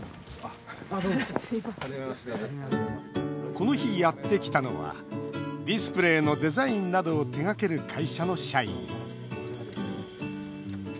この日、やってきたのはディスプレーのデザインなどを手がける会社の社員。